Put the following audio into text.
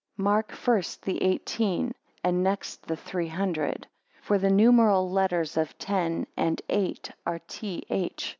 12 Mark, first the eighteen, and next the three hundred. For the numeral letters of ten and eight are T H.